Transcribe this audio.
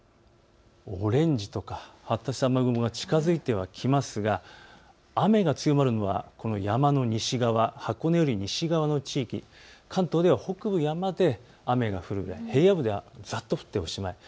オレンジとか発達した雨雲が近づいてはきますが雨が強まるのは山の西側、箱根より西側の地域、関東では北部、山で雨が降る、平野部ではざっと降っておしまい。